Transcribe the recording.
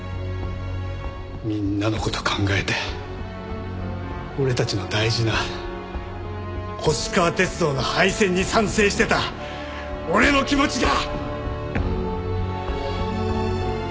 みんなの事考えて俺たちの大事な星川鐵道の廃線に賛成してた俺の気持ちが！